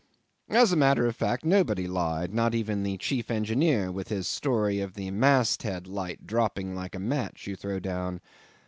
As a matter of fact nobody lied; not even the chief engineer with his story of the mast head light dropping like a match you throw down.